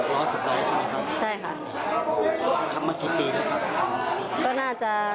กลับรถเป็นอย่าง